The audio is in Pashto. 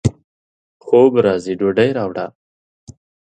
خوب راځي ، ډوډۍ راوړه